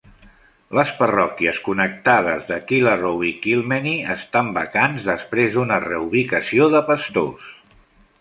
Les parròquies connectades de Kilarrow i Kilmeny estan vacants, després d"una reubicació de pastors.